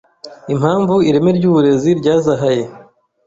impamvu ireme ry’uburezi ryazahaye